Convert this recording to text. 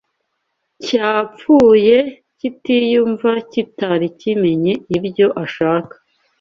cyapfuye kitiyumva kitari kimenye ibyo ashaka